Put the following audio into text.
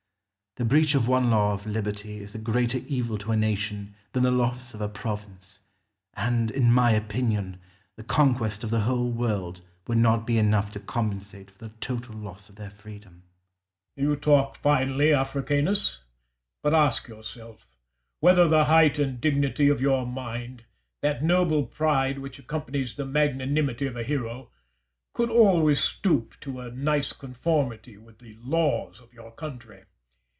The breach of one law of liberty is a greater evil to a nation than the loss of a province; and, in my opinion, the conquest of the whole world would not be enough to compensate for the total loss of their freedom. Caesar. You talk finely, Africanus; but ask yourself, whether the height and dignity of your mind that noble pride which accompanies the magnanimity of a hero could always stoop to a nice conformity with the laws of your country?